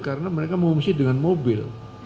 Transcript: karena mereka mengungsi dengan mobil